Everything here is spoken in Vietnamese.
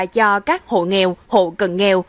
cho các hộ nghèo hộ cần nghèo